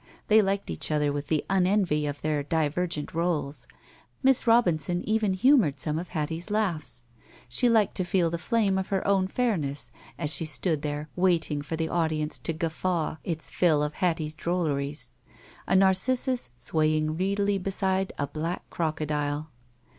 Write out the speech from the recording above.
They liked each other with the unenvy of their divergent roles. Miss Robinson even humored some of Hattie's laughs. 156 THE SMUDGE She liked to feel the flame of her own fairness as she stood there waiting for the audience to guffaw its fill of Hattie's drolleries; a narcissus swaying reedily beside a black crocodile.